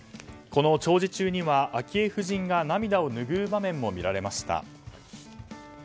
この弔辞中には昭恵夫人が涙をぬぐう場面も見られました。